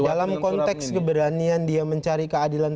dalam konteks keberanian dia mencari keadilan